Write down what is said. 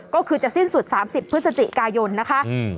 ก็คือจะสิ้นสุด๓๐พฤศจิกายนนะคะ